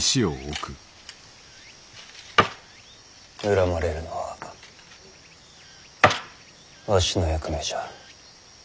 恨まれるのはわしの役目じゃ。